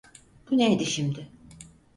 Bu neydi şimdi?